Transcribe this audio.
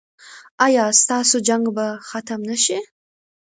ایا ستاسو جنګ به ختم نه شي؟